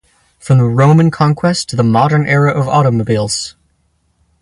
From the Roman Conquest to the Modern Era of automobiles.